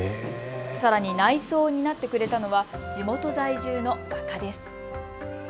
さらに内装を担ってくれたのは地元在住の画家です。